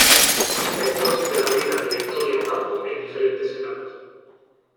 Aspectos de la vida de Victoria Ocampo en diferentes etapas.